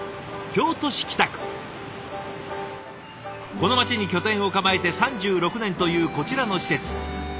この街に拠点を構えて３６年というこちらの施設。